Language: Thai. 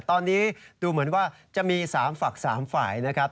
ตอนนี้ดูเหมือนว่าจะมี๓ฝัก๓ฝ่ายนะครับ